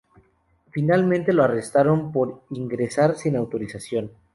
Finalmente lo arrestaron por ingresar sin autorización.